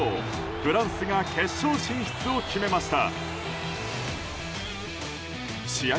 フランスが決勝進出を決めました。